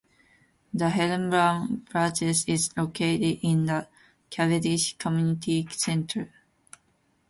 The Helen Bowen Branch is located in the Cavendish Community Centre.